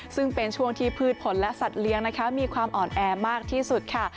ซึ่งเป็นช่วงที่พืชผลและสัตว์เลี้ยงนะคะมีความอ่อนแอมากที่สุดค่ะ